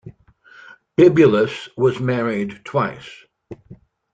Bibulus was married twice.